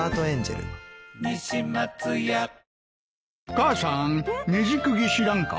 母さんねじ釘知らんか？